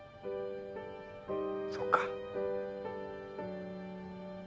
そっか。